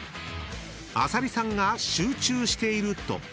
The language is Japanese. ［浅利さんが集中していると］